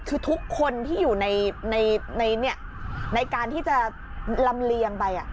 คือทุกคนที่อยู่ในการที่จะลำเลียงไป